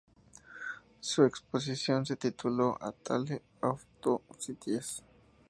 Su exposición se tituló "A Tale of Two Cities".